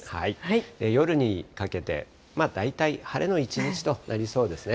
夜にかけて、大体晴れの一日となりそうですね。